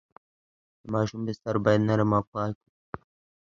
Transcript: د ماشوم بستر باید نرم او پاک وي۔